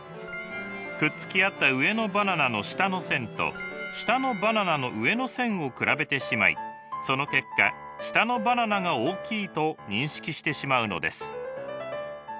くっつき合った上のバナナの下の線と下のバナナの上の線を比べてしまいその結果下のバナナが大きいと認識してしまうのです。